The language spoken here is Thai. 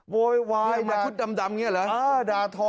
โวยวายดาทุกดำอย่างนี้เหรอเออดาท้อน